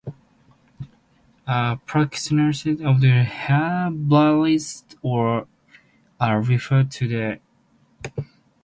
Practitioners of herbalism or phytotherapy are referred to as herbalists or phytotherapists.